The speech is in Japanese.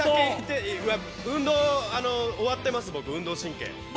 運動、終わってます、僕、運動神経。